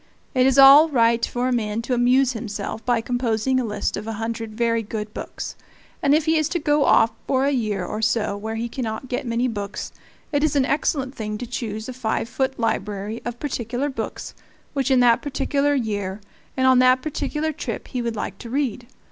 It is all right for a man to amuse himself by composing a list of a hundred very good books; and if he is to go off for a year or so where he cannot get many books, it is an excellent thing to choose a five foot library of particular books which in that particular year and on that particular trip he would like to read.